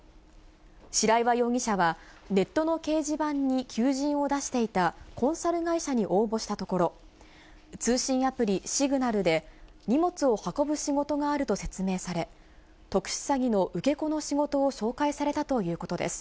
白岩容疑者はネットの掲示板に求人を出していたコンサル会社に応募したところ、通信アプリ、シグナルで荷物を運ぶ仕事があると説明され、特殊詐欺の受け子の仕事を紹介されたということです。